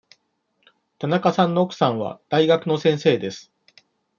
田中さんの奥さんは大学の先生です。